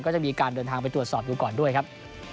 ก็จะมีการเดินทางไปตรวจสอบดูก่อนด้วยครับ